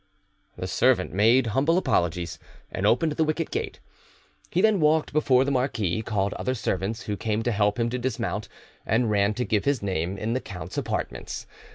The servant made humble apologies, and opened the wicket gate. He then walked before the marquis, called other servants, who came to help him to dismount, and ran to give his name in the count's apartments.